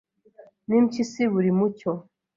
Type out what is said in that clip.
N'impyisi buri mucyo